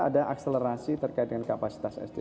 ada akselerasi terkait dengan kapasitas sdm